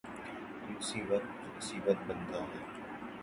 یہ اسی وقت عصبیت بنتا ہے۔